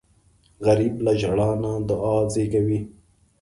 غریب له ژړا نه دعا زېږوي